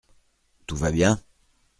Tout va bien ?